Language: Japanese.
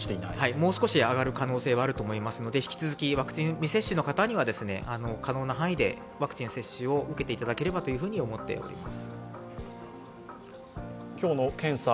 もう少し上がる可能性もあると思いますので、引き続きワクチン未接種の方には可能な範囲でワクチンを受けていただければと思います。